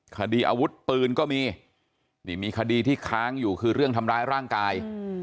คดีอาวุธปืนก็มีนี่มีคดีที่ค้างอยู่คือเรื่องทำร้ายร่างกาย